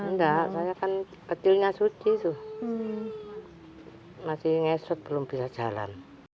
enggak saya kan kecilnya suci tuh masih ngesut belum bisa jalan